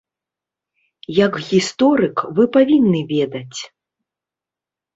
Як гісторык вы павінны ведаць.